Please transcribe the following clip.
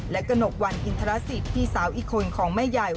และกระหนกวันอินทรสิตพี่สาวอีกคนของแม่ใหญ่